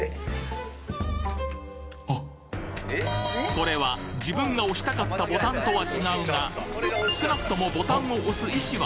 これは自分が押したかったボタンとは違うが少なくともボタンをしかしで済む話だが